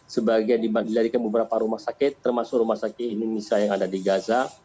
sebagian dilarikan beberapa rumah sakit termasuk rumah sakit indonesia yang ada di gaza